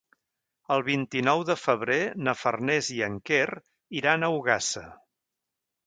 El vint-i-nou de febrer na Farners i en Quer iran a Ogassa.